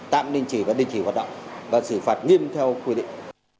tạm định chỉ và định chỉ hoạt động và xử phạt nghiêm theo quy định